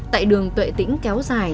tại đường tuệ tĩnh kéo dài